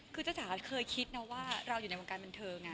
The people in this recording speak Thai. คือจ้าจ๋าเคยคิดนะว่าเราอยู่ในวงการบันเทิงไง